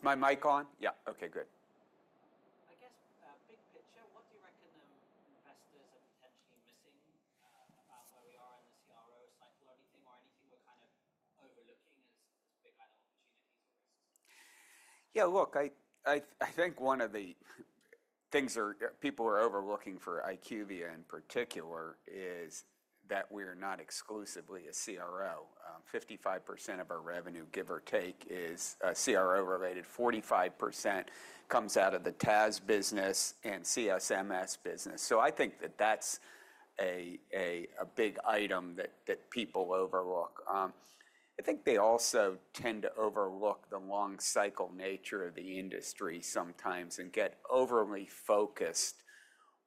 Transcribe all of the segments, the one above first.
Is my mic on? Yeah. Okay, good. I guess, big picture, what do you reckon investors are potentially missing about where we are in the CRO cycle or anything, or anything we're kind of overlooking as big opportunities or risks? Yeah, look, I think one of the things people are overlooking for IQVIA in particular is that we're not exclusively a CRO. 55% of our revenue, give or take, is CRO-related. 45% comes out of the TAS business and CSMS business. So I think that that's a big item that people overlook. I think they also tend to overlook the long-cycle nature of the industry sometimes and get overly focused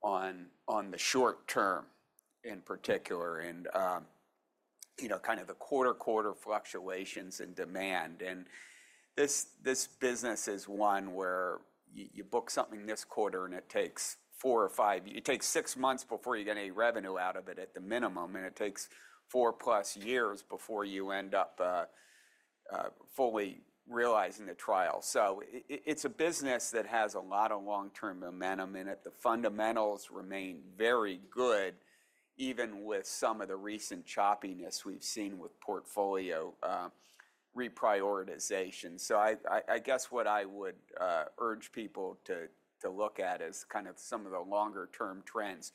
on the short-term in particular, and kind of the quarter-to-quarter fluctuations in demand. And this business is one where you book something this quarter and it takes four or five. It takes six months before you get any revenue out of it at the minimum, and it takes 4+ years before you end up fully realizing the trial. So it's a business that has a lot of long-term momentum in it. The fundamentals remain very good, even with some of the recent choppiness we've seen with portfolio reprioritization. So I guess what I would urge people to look at is kind of some of the longer-term trends.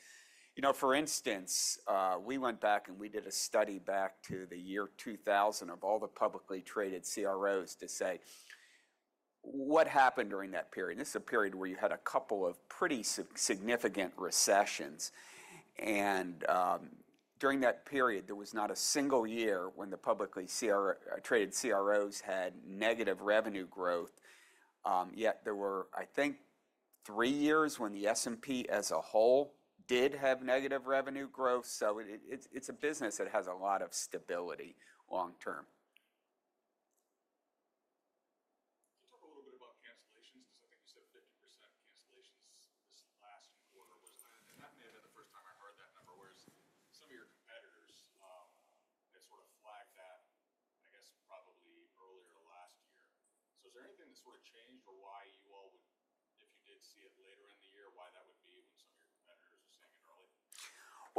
For instance, we went back and we did a study back to the year 2000 of all the publicly traded CROs to say, "What happened during that period?" This is a period where you had a couple of pretty significant recessions. And during that period, there was not a single year when the publicly traded CROs had negative revenue growth. Yet there were, I think, three years when the S&P as a whole did have negative revenue growth. So it's a business that has a lot of stability long-term. Can you talk a little bit about cancellations? Because I think you said 50% cancellations this last quarter. And that may have been the first time I heard that number, whereas some of your competitors had sort of flagged that, I guess, probably earlier last year. So is there anything that sort of changed or why you all would, if you did see it later in the year, why that would be when some of your competitors are saying it early? I'll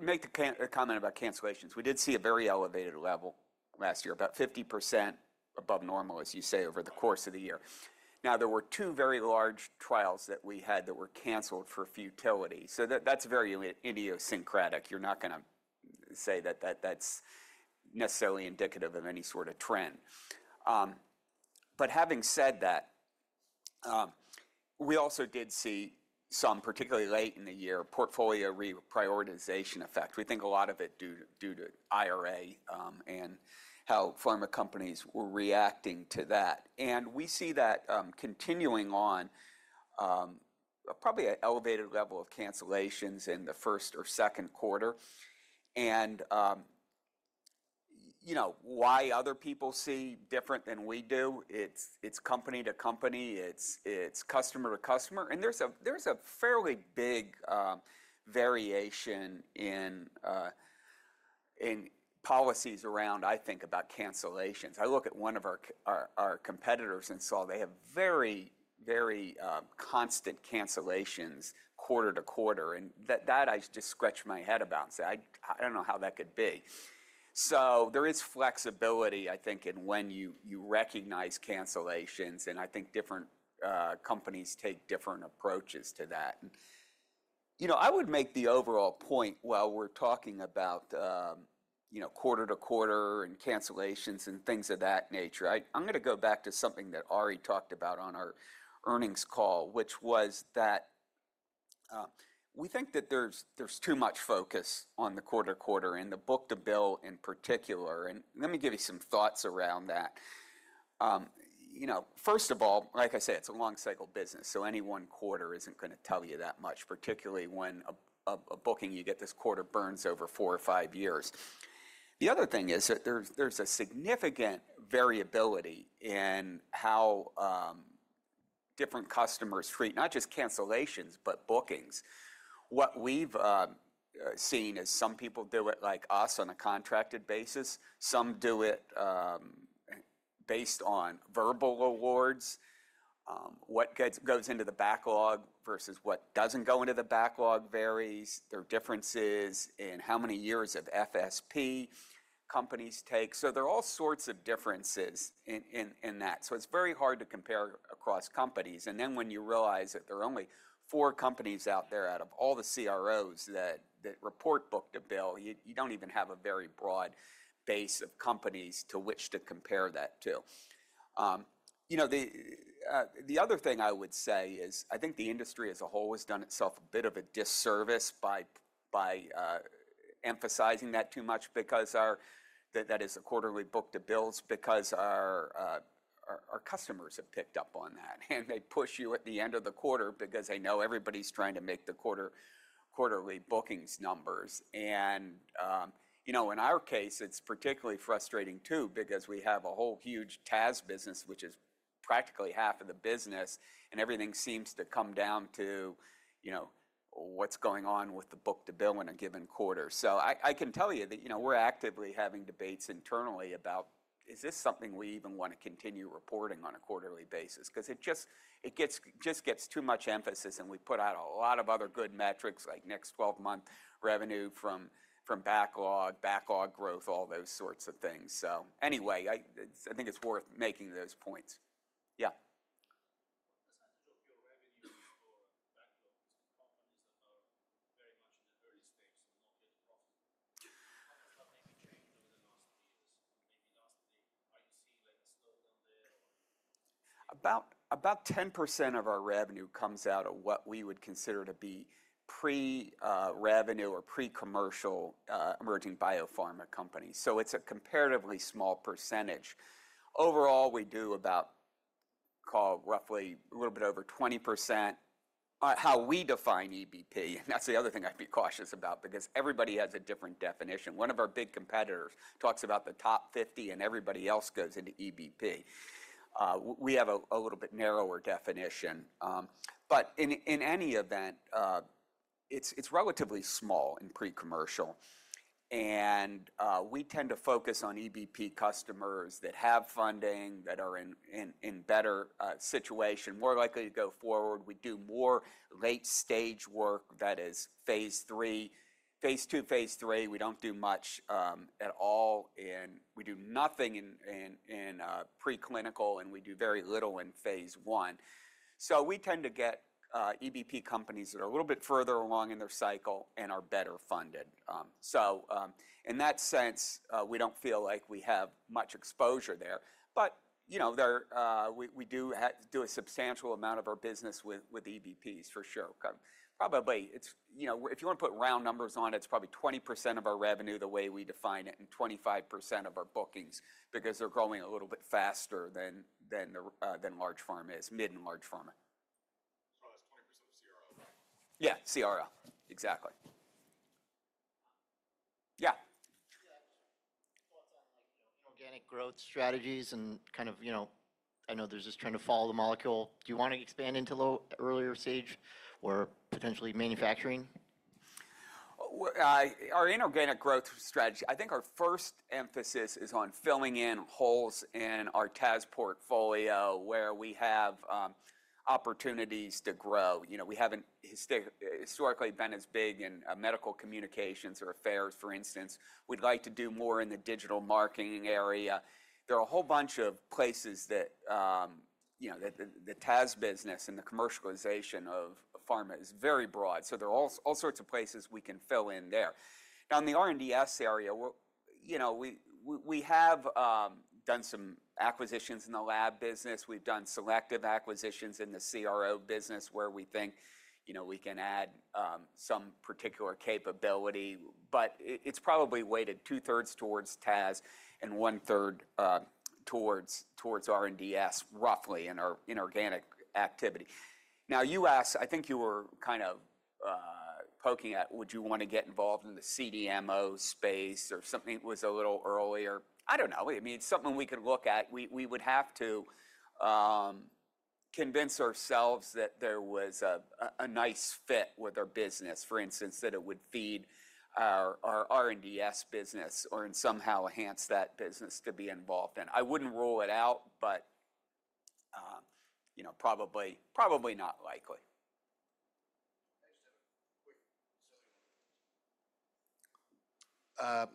make a comment about cancellations. We did see a very elevated level last year, about 50% above normal, as you say, over the course of the year. Now, there were two very large trials that we had that were canceled for futility, so that's very idiosyncratic. You're not going to say that that's necessarily indicative of any sort of trend, but having said that, we also did see some, particularly late in the year, portfolio reprioritization effect. We think a lot of it due to IRA and how pharma companies were reacting to that, and we see that continuing on, probably an elevated level of cancellations in the first or second quarter, why other people see different than we do, it's company to company, it's customer to customer, and there's a fairly big variation in policies around, I think, about cancellations. I look at one of our competitors and saw they have very, very constant cancellations quarter to quarter. And that I just scratch my head about and say, "I don't know how that could be." So there is flexibility, I think, in when you recognize cancellations. And I think different companies take different approaches to that. I would make the overall point, while we're talking about quarter to quarter and cancellations and things of that nature, I'm going to go back to something that Ari talked about on our earnings call, which was that we think that there's too much focus on the quarter to quarter and the book-to-bill in particular. And let me give you some thoughts around that. First of all, like I say, it's a long-cycle business. So any one quarter isn't going to tell you that much, particularly when a booking you get this quarter burns over four or five years. The other thing is that there's a significant variability in how different customers treat not just cancellations, but bookings. What we've seen is some people do it like us on a contracted basis. Some do it based on verbal awards. What goes into the backlog versus what doesn't go into the backlog varies. There are differences in how many years of FSP companies take. So there are all sorts of differences in that. So it's very hard to compare across companies. And then when you realize that there are only four companies out there out of all the CROs that report book-to-bill, you don't even have a very broad base of companies to which to compare that to. The other thing I would say is I think the industry as a whole has done itself a bit of a disservice by emphasizing that too much because our, that is, the quarterly book-to-bill, because our customers have picked up on that. And they push you at the end of the quarter because they know everybody's trying to make the quarterly bookings numbers. And in our case, it's particularly frustrating too because we have a whole huge TAS business, which is practically half of the business. And everything seems to come down to what's going on with the book-to-bill in a given quarter. So I can tell you that we're actively having debates internally about, "Is this something we even want to continue reporting on a quarterly basis?" Because it just gets too much emphasis. We put out a lot of other good metrics like next 12-month revenue from backlog, backlog growth, all those sorts of things. Anyway, I think it's worth making those points. Yeah. What percentage of your revenue for backlog is from companies that are very much in the early stages and not yet profitable? How has that maybe changed over the last few years? Maybe lastly, are you seeing a slowdown there or? About 10% of our revenue comes out of what we would consider to be pre-revenue or pre-commercial emerging biopharma companies, so it's a comparatively small percentage. Overall, we do about, call it roughly a little bit over 20% how we define EBP, and that's the other thing I'd be cautious about because everybody has a different definition. One of our big competitors talks about the Top 50, and everybody else goes into EBP. We have a little bit narrower definition, but in any event, it's relatively small in pre-commercial, and we tend to focus on EBP customers that have funding, that are in a better situation, more likely to go forward. We do more late-stage work that is phase two, phase three. We don't do much at all, and we do nothing in preclinical, and we do very little in phase one. So we tend to get EBP companies that are a little bit further along in their cycle and are better funded. So in that sense, we don't feel like we have much exposure there. But we do do a substantial amount of our business with EBPs, for sure. Probably, if you want to put round numbers on it, it's probably 20% of our revenue the way we define it and 25% of our bookings because they're growing a little bit faster than large pharma is, mid and large pharma. That's 20% of CRO, right? Yeah, CRO. Exactly. Yeah. Do you have thoughts on inorganic growth strategies and kind of, I know there's this trend of follow the molecule? Do you want to expand into earlier stage or potentially manufacturing? Our inorganic growth strategy, I think our first emphasis is on filling in holes in our TAS portfolio where we have opportunities to grow. We haven't historically been as big in medical communications or affairs, for instance. We'd like to do more in the digital marketing area. There are a whole bunch of places that the TAS business and the commercialization of pharma is very broad. So there are all sorts of places we can fill in there. Now, in the R&DS area, we have done some acquisitions in the lab business. We've done selective acquisitions in the CRO business where we think we can add some particular capability. But it's probably weighted 2/3 towards TAS and 1/3 towards R&DS, roughly, in our inorganic activity. Now, you asked, I think you were kind of poking at, "Would you want to get involved in the CDMO space or something?" It was a little earlier. I don't know. I mean, something we could look at. We would have to convince ourselves that there was a nice fit with our business, for instance, that it would feed our R&DS business or somehow enhance that business to be involved in. I wouldn't rule it out, but probably not likely.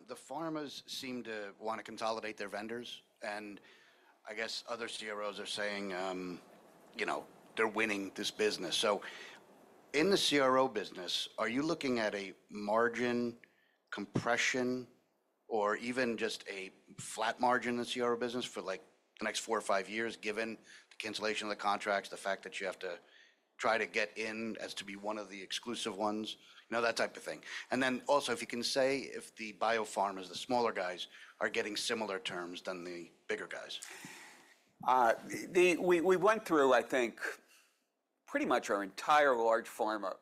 The pharmas seem to want to consolidate their vendors. And I guess other CROs are saying they're winning this business. So in the CRO business, are you looking at a margin compression or even just a flat margin in the CRO business for the next four or five years, given the cancellation of the contracts, the fact that you have to try to get in as to be one of the exclusive ones, that type of thing? And then also, if you can say if the biopharmas, the smaller guys, are getting similar terms than the bigger guys? We went through, I think, pretty much our entire large pharma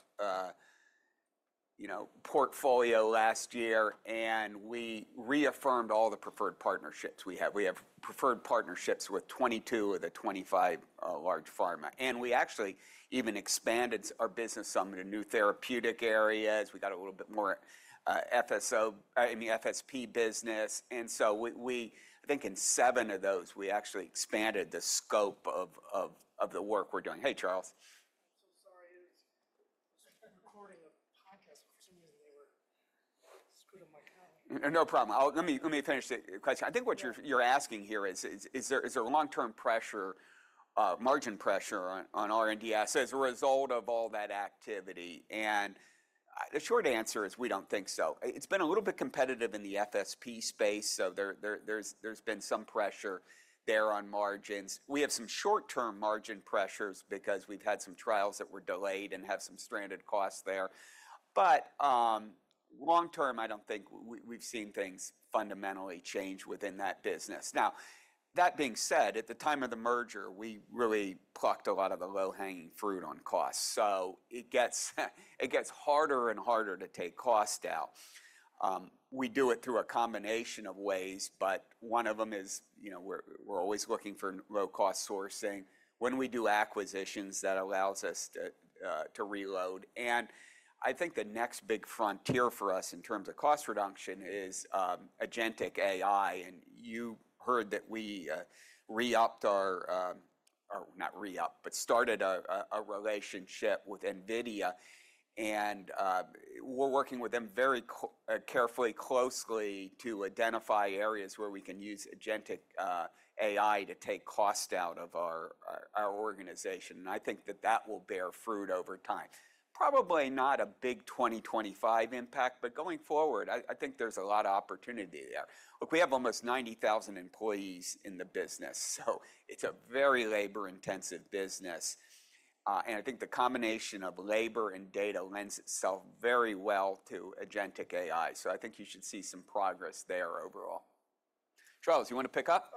portfolio last year. And we reaffirmed all the preferred partnerships we have. We have preferred partnerships with 22 of the 25 large pharma. And we actually even expanded our business some in new therapeutic areas. We got a little bit more FSO in the FSP business, and so I think in seven of those, we actually expanded the scope of the work we're doing. Hey, Charles. I'm so sorry. I was recording a podcast for some reason. They were screwed on my calendar. No problem. Let me finish the question. I think what you're asking here is, is there a long-term pressure, margin pressure on R&DS as a result of all that activity? And the short answer is we don't think so. It's been a little bit competitive in the FSP space. So there's been some pressure there on margins. We have some short-term margin pressures because we've had some trials that were delayed and have some stranded costs there. But long-term, I don't think we've seen things fundamentally change within that business. Now, that being said, at the time of the merger, we really plucked a lot of the low-hanging fruit on costs. So it gets harder and harder to take costs down. We do it through a combination of ways. But one of them is we're always looking for low-cost sourcing. When we do acquisitions, that allows us to reload. And I think the next big frontier for us in terms of cost reduction is Agentic AI. And you heard that we re-upped our—not re-upped, but started a relationship with NVIDIA. And we're working with them very carefully, closely to identify areas where we can use Agentic AI to take costs out of our organization. And I think that that will bear fruit over time. Probably not a big 2025 impact. But going forward, I think there's a lot of opportunity there. Look, we have almost 90,000 employees in the business. So it's a very labor-intensive business. And I think the combination of labor and data lends itself very well to Agentic AI. So I think you should see some progress there overall. Charles, you want to pick up?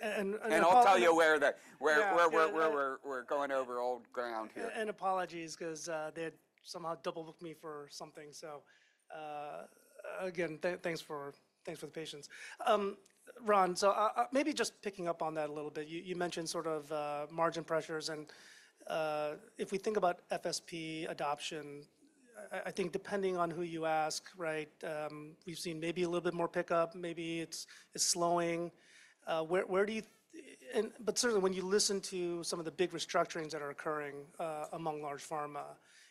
And I'll tell you where we're going over old ground here. And apologies because they had somehow double-booked me for something. So again, thanks for the patience. Ron, so maybe just picking up on that a little bit. You mentioned sort of margin pressures. And if we think about FSP adoption, I think depending on who you ask, right, we've seen maybe a little bit more pickup. Maybe it's slowing. But certainly, when you listen to some of the big restructurings that are occurring among large pharma,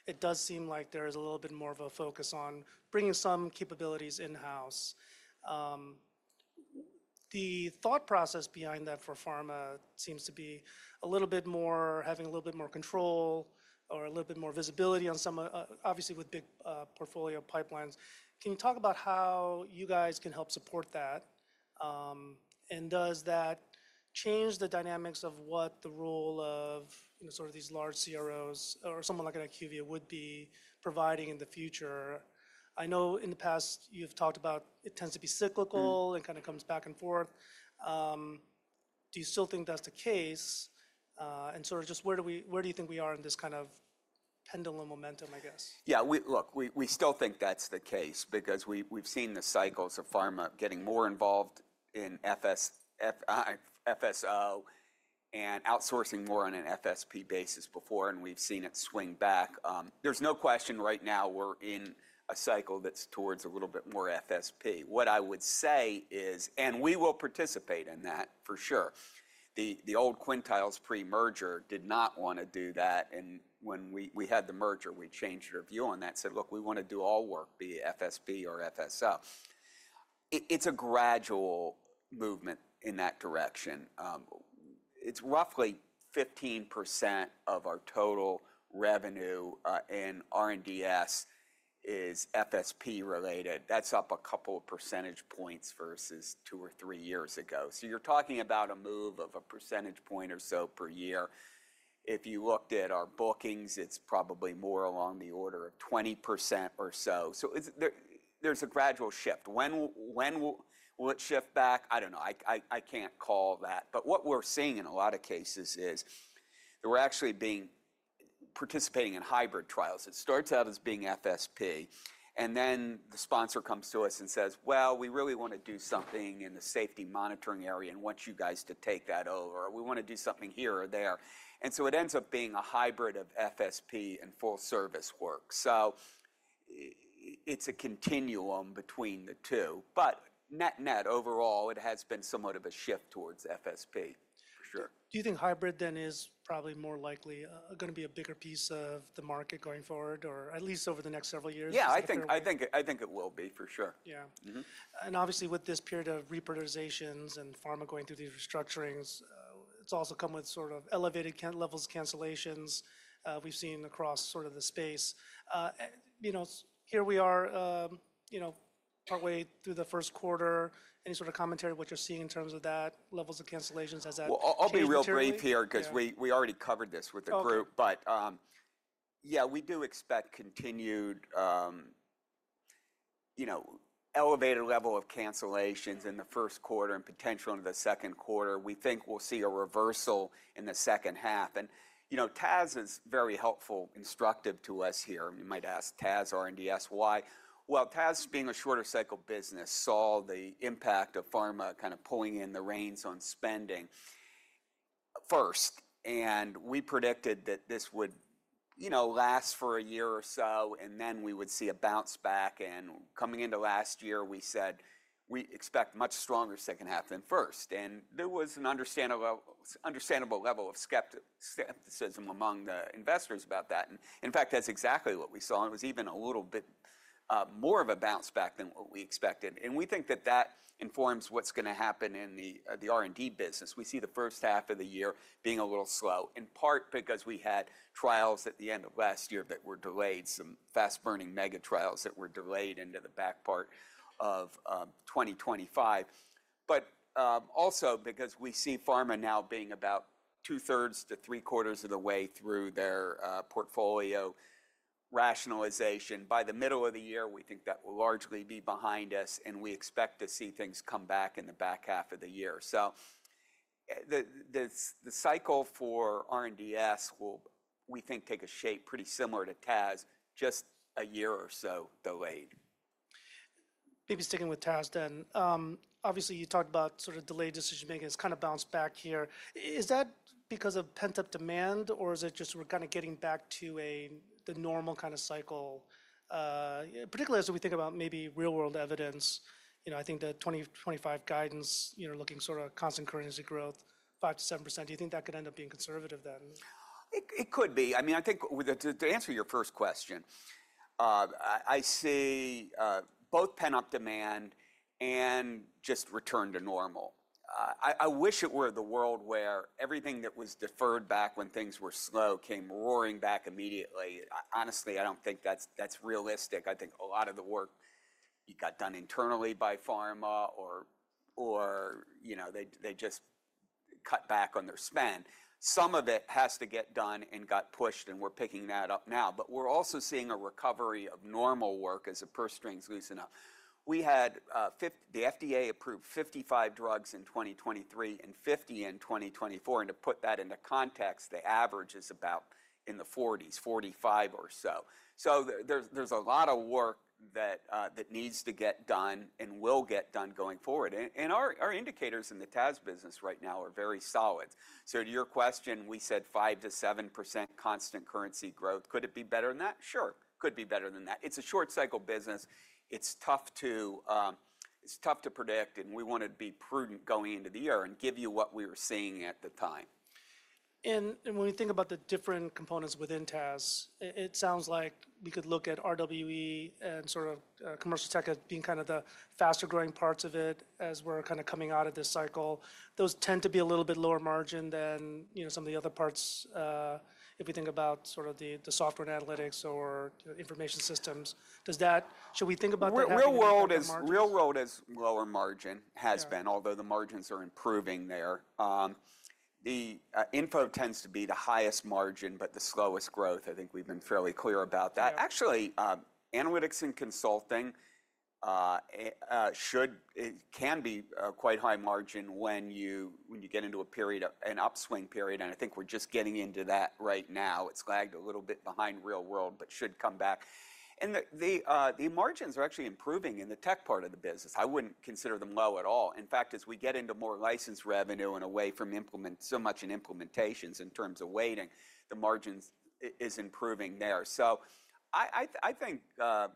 it does seem like there is a little bit more of a focus on bringing some capabilities in-house. The thought process behind that for pharma seems to be a little bit more having a little bit more control or a little bit more visibility on some, obviously, with big portfolio pipelines. Can you talk about how you guys can help support that? And does that change the dynamics of what the role of sort of these large CROs or someone like an IQVIA would be providing in the future? I know in the past, you've talked about it tends to be cyclical and kind of comes back and forth. Do you still think that's the case? And sort of just where do you think we are in this kind of pendulum momentum, I guess? Yeah. Look, we still think that's the case because we've seen the cycles of pharma getting more involved in FSO and outsourcing more on an FSP basis before. And we've seen it swing back. There's no question right now we're in a cycle that's towards a little bit more FSP. What I would say is, and we will participate in that for sure. The old Quintiles pre-merger did not want to do that. And when we had the merger, we changed our view on that. Said, "Look, we want to do all work, be it FSP or FSO." It's a gradual movement in that direction. It's roughly 15% of our total revenue in R&DS is FSP-related. That's up a couple of percentage points versus two or three years ago. So you're talking about a move of a percentage point or so per year. If you looked at our bookings, it's probably more along the order of 20% or so. So there's a gradual shift. When will it shift back? I don't know. I can't call that. But what we're seeing in a lot of cases is they're actually participating in hybrid trials. It starts out as being FSP. And then the sponsor comes to us and says, "Well, we really want to do something in the safety monitoring area and want you guys to take that over. We want to do something here or there." And so it ends up being a hybrid of FSP and full-service work. So it's a continuum between the two. But net-net overall, it has been somewhat of a shift towards FSP, for sure. Do you think hybrid then is probably more likely going to be a bigger piece of the market going forward, or at least over the next several years? Yeah, I think it will be, for sure. Yeah. And obviously, with this period of reprioritizations and pharma going through these restructurings, it's also come with sort of elevated levels of cancellations we've seen across sort of the space. Here we are partway through the first quarter. Any sort of commentary on what you're seeing in terms of that levels of cancellations? I'll be real brief here because we already covered this with the group. But yeah, we do expect continued elevated level of cancellations in the first quarter and potential in the second quarter. We think we'll see a reversal in the second half. And TAS is very helpful, instructive to us here. You might ask, "TAS, R&DS, why?" Well, TAS, being a shorter-cycle business, saw the impact of pharma kind of pulling in the reins on spending first. And we predicted that this would last for a year or so. And then we would see a bounce back. And coming into last year, we said we expect a much stronger second half than first. And there was an understandable level of skepticism among the investors about that. And in fact, that's exactly what we saw. And it was even a little bit more of a bounce back than what we expected. And we think that that informs what's going to happen in the R&D business. We see the first half of the year being a little slow, in part because we had trials at the end of last year that were delayed, some fast-burning mega trials that were delayed into the back part of 2025. But also because we see pharma now being about 2/3-3/4 of the way through their portfolio rationalization. By the middle of the year, we think that will largely be behind us. And we expect to see things come back in the back half of the year. So the cycle for R&DS will, we think, take a shape pretty similar to TAS, just a year or so delayed. Maybe sticking with TAS then. Obviously, you talked about sort of delayed decision-making. It's kind of bounced back here. Is that because of pent-up demand, or is it just we're kind of getting back to the normal kind of cycle, particularly as we think about maybe real-world evidence? I think the 2025 guidance, looking sort of constant currency growth, 5%-7%. Do you think that could end up being conservative then? It could be. I mean, I think to answer your first question, I see both pent-up demand and just return to normal. I wish it were the world where everything that was deferred back when things were slow came roaring back immediately. Honestly, I don't think that's realistic. I think a lot of the work you got done internally by pharma or they just cut back on their spend. Some of it has to get done and got pushed. And we're picking that up now. But we're also seeing a recovery of normal work as the purse strings loosen up. The FDA approved 55 drugs in 2023 and 50 in 2024. And to put that into context, the average is about in the 40s, 45 or so. So there's a lot of work that needs to get done and will get done going forward. Our indicators in the TAS business right now are very solid. To your question, we said 5%-7% constant currency growth. Could it be better than that? Sure. Could be better than that. It's a short-cycle business. It's tough to predict. We want to be prudent going into the year and give you what we were seeing at the time. When we think about the different components within TAS, it sounds like we could look at RWE and sort of commercial tech as being kind of the faster-growing parts of it as we're kind of coming out of this cycle. Those tend to be a little bit lower margin than some of the other parts if we think about sort of the software and analytics or information systems. Should we think about that as lower margin? Real-world, as lower margin has been, although the margins are improving there. The R&DS tends to be the highest margin, but the slowest growth. I think we've been fairly clear about that. Actually, analytics and consulting can be quite high margin when you get into an upswing period, and I think we're just getting into that right now. It's lagged a little bit behind real-world, but should come back, and the margins are actually improving in the tech part of the business. I wouldn't consider them low at all. In fact, as we get into more license revenue and away from so much in implementations in terms of weighting, the margins are improving there, so I think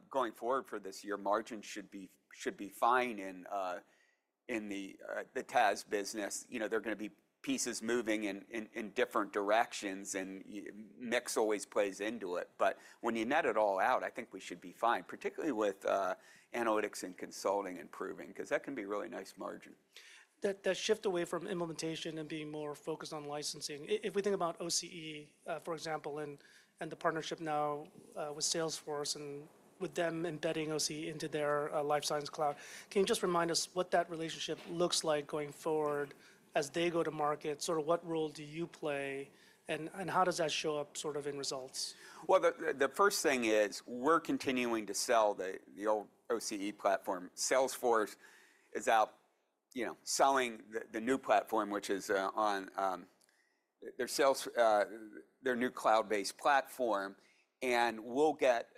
going forward for this year, margins should be fine in the TAS business. There are going to be pieces moving in different directions, and mix always plays into it. But when you net it all out, I think we should be fine, particularly with analytics and consulting improving because that can be a really nice margin. That shift away from implementation and being more focused on licensing, if we think about OCE, for example, and the partnership now with Salesforce and with them embedding OCE into their Life Sciences Cloud, can you just remind us what that relationship looks like going forward as they go to market? Sort of what role do you play? And how does that show up sort of in results? The first thing is we're continuing to sell the old OCE platform. Salesforce is out selling the new platform, which is on their new cloud-based platform. And we'll get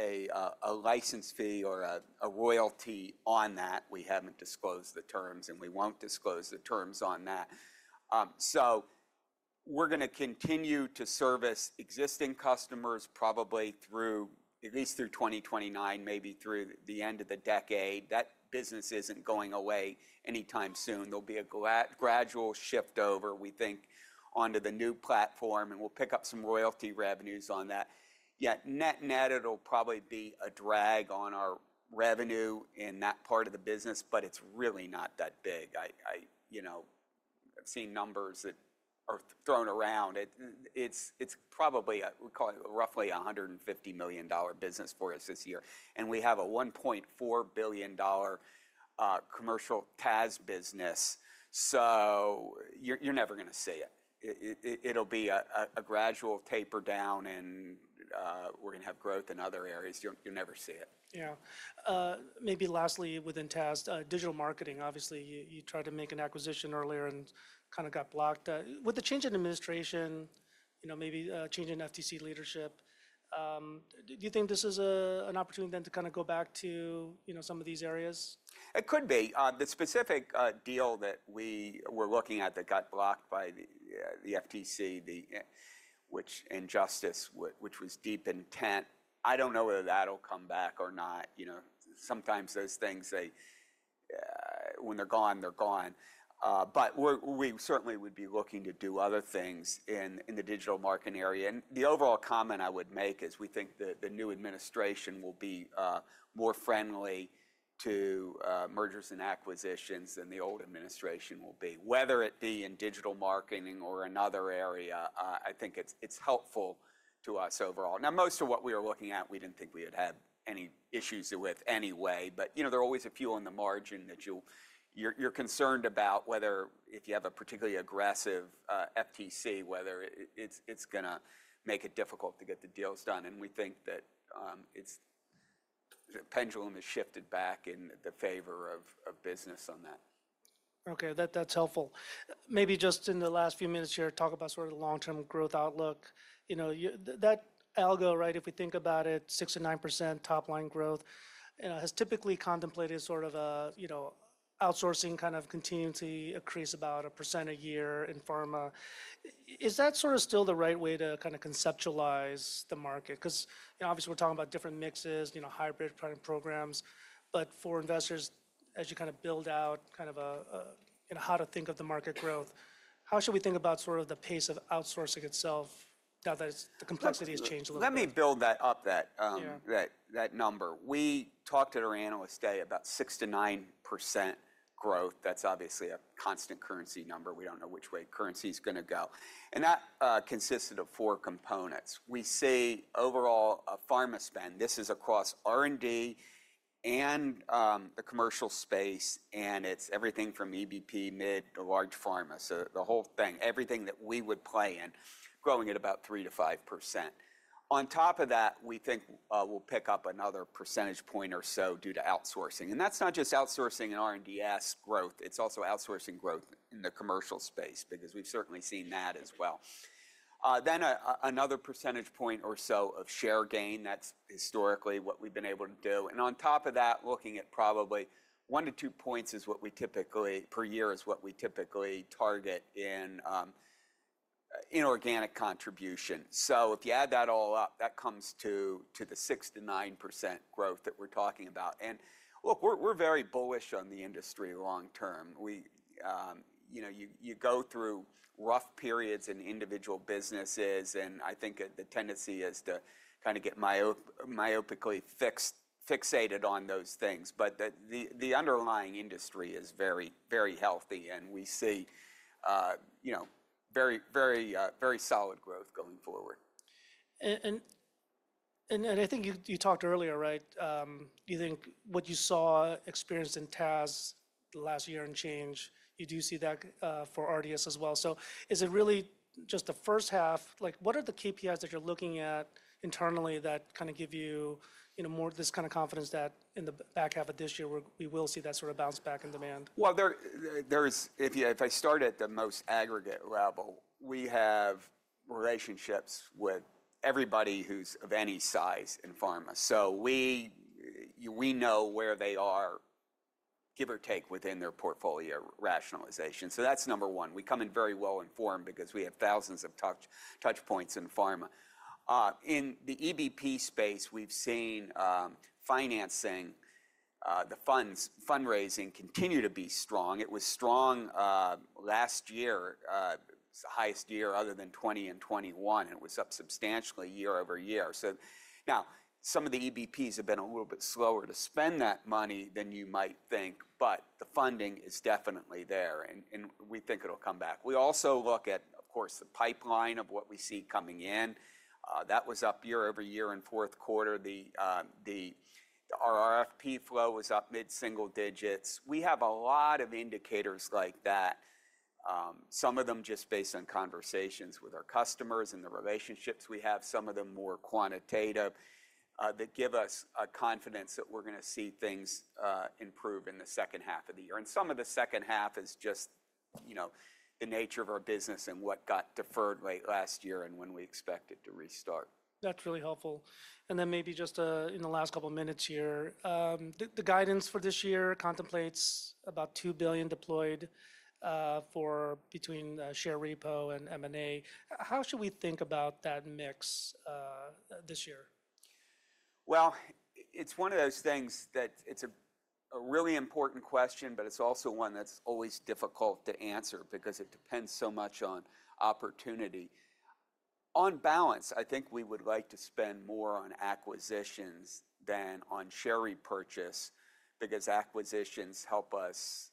a license fee or a royalty on that. We haven't disclosed the terms, and we won't disclose the terms on that. So we're going to continue to service existing customers probably through at least 2029, maybe through the end of the decade. That business isn't going away anytime soon. There'll be a gradual shift over, we think, onto the new platform. And we'll pick up some royalty revenues on that. Yet net-net, it'll probably be a drag on our revenue in that part of the business. But it's really not that big. I've seen numbers that are thrown around. It's probably roughly a $150 million business for us this year. And we have a $1.4 billion commercial TAS business. So you're never going to see it. It'll be a gradual taper down. And we're going to have growth in other areas. You'll never see it. Yeah. Maybe lastly, within TAS, digital marketing, obviously, you tried to make an acquisition earlier and kind of got blocked. With the change in administration, maybe a change in FTC leadership, do you think this is an opportunity then to kind of go back to some of these areas? It could be. The specific deal that we were looking at that got blocked by the FTC, which is unjust, which was DeepIntent. I don't know whether that'll come back or not. Sometimes those things, when they're gone, they're gone, but we certainly would be looking to do other things in the digital marketing area, and the overall comment I would make is we think the new administration will be more friendly to mergers and acquisitions than the old administration will be. Whether it be in digital marketing or another area, I think it's helpful to us overall. Now, most of what we were looking at, we didn't think we would have any issues with anyway, but there are always a few on the margin that you're concerned about, whether, if you have a particularly aggressive FTC, whether it's going to make it difficult to get the deals done. We think that the pendulum has shifted back in the favor of business on that. Okay. That's helpful. Maybe just in the last few minutes here, talk about sort of the long-term growth outlook. That algo, right, if we think about it, 6%-9% top-line growth has typically contemplated sort of outsourcing kind of continuing to increase about a percent a year in pharma. Is that sort of still the right way to kind of conceptualize the market? Because obviously, we're talking about different mixes, hybrid kind of programs. But for investors, as you kind of build out kind of how to think of the market growth, how should we think about sort of the pace of outsourcing itself now that the complexity has changed a little bit? Let me build that up, that number. We talked at our analyst day about 6%-9% growth. That's obviously a constant currency number. We don't know which way currency is going to go. And that consisted of four components. We see overall pharma spend, this is across R&D and the commercial space. And it's everything from EBP, mid to large pharma, so the whole thing, everything that we would play in, growing at about 3%-5%. On top of that, we think we'll pick up another percentage point or so due to outsourcing. And that's not just outsourcing in R&DS growth. It's also outsourcing growth in the commercial space because we've certainly seen that as well. Then another percentage point or so of share gain. That's historically what we've been able to do. On top of that, looking at probably one to two points is what we typically per year is what we typically target in organic contribution. If you add that all up, that comes to the 6%-9% growth that we're talking about. Look, we're very bullish on the industry long-term. You go through rough periods in individual businesses. I think the tendency is to kind of get myopically fixed on those things. The underlying industry is very, very healthy. We see very, very solid growth going forward. And I think you talked earlier, right? Do you think what you saw, experienced in TAS last year and change, you do see that for R&DS as well? So is it really just the first half? What are the KPIs that you're looking at internally that kind of give you more of this kind of confidence that in the back half of this year, we will see that sort of bounce back in demand? If I start at the most aggregate level, we have relationships with everybody who's of any size in pharma. So we know where they are, give or take, within their portfolio rationalization. So that's number one. We come in very well-informed because we have thousands of touchpoints in pharma. In the EBP space, we've seen financing, the funds, fundraising continue to be strong. It was strong last year. It's the highest year other than 2020 and 2021. And it was up substantially year over year. So now some of the EBPs have been a little bit slower to spend that money than you might think. But the funding is definitely there. And we think it'll come back. We also look at, of course, the pipeline of what we see coming in. That was up year over year in fourth quarter. The RRFP flow was up mid-single digits. We have a lot of indicators like that, some of them just based on conversations with our customers and the relationships we have, some of them more quantitative that give us confidence that we're going to see things improve in the second half of the year, and some of the second half is just the nature of our business and what got deferred late last year and when we expect it to restart. That's really helpful. And then maybe just in the last couple of minutes here, the guidance for this year contemplates about $2 billion deployed between share repo and M&A. How should we think about that mix this year? It's one of those things that it's a really important question, but it's also one that's always difficult to answer because it depends so much on opportunity. On balance, I think we would like to spend more on acquisitions than on share repurchase because acquisitions help us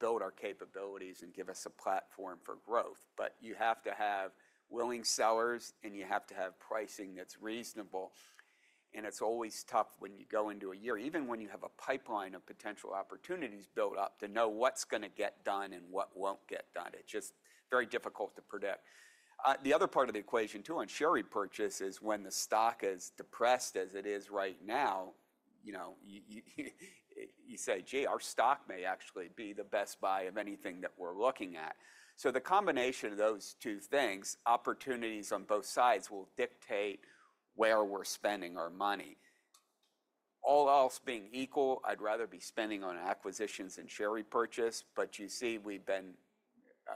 build our capabilities and give us a platform for growth. But you have to have willing sellers, and you have to have pricing that's reasonable. And it's always tough when you go into a year, even when you have a pipeline of potential opportunities built up, to know what's going to get done and what won't get done. It's just very difficult to predict. The other part of the equation, too, on share repurchase is when the stock is depressed as it is right now, you say, "Gee, our stock may actually be the best buy of anything that we're looking at." So the combination of those two things, opportunities on both sides, will dictate where we're spending our money. All else being equal, I'd rather be spending on acquisitions than share repurchase. But you see we've been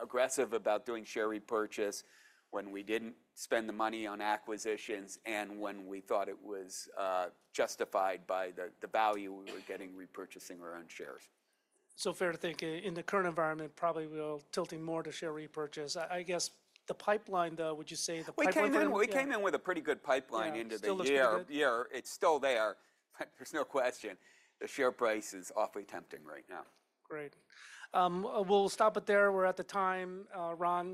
aggressive about doing share repurchase when we didn't spend the money on acquisitions and when we thought it was justified by the value we were getting repurchasing our own shares. So, fair to think in the current environment, probably we'll tilt more to share repurchase. I guess the pipeline, though. Would you say the pipeline? We came in with a pretty good pipeline into the year. It's still there. There's no question. The share price is awfully tempting right now. Great. We'll stop it there. We're at the time, Ron.